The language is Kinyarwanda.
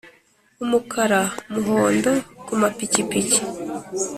umukara mu muhondo ku mapikipiki